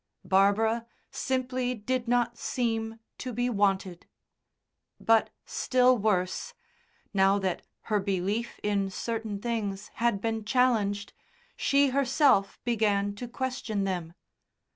Barbara simply did not seem to be wanted. But still worse: now that her belief in certain things had been challenged, she herself began to question them.